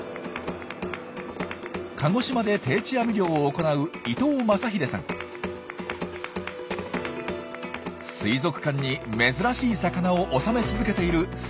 鹿児島で定置網漁を行う水族館に珍しい魚を納め続けているスゴ腕の漁師さんです。